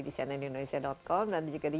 di cnnindonesia com dan juga di